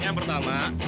ini yang pertama